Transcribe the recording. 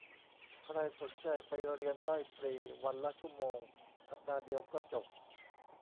ใครสนใจไปเรียนได้ ฟรี วันละชั่วโมง สัปดาห์เดียวก็จบ